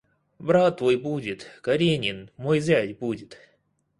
Брат твой будет, Каренин, мой зять, будет.